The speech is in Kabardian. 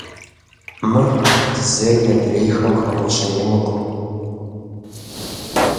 Мыр зэи адрейхэм хэгъуэщэжынукъым.